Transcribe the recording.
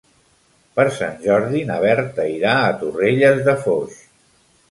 Per Sant Jordi na Berta irà a Torrelles de Foix.